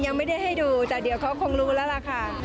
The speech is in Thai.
ยังไม่ได้ให้ดูแต่เดี๋ยวเขาคงรู้แล้วล่ะค่ะ